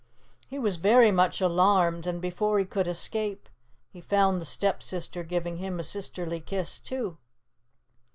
He was very much alarmed, and before he could escape, he found the Stepsister giving him a sisterly kiss too.